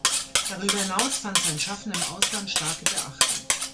Darüber hinaus fand sein Schaffen im Ausland starke Beachtung.